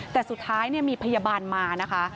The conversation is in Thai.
แต่สุดท้ายมีพยาบาลมานะคะ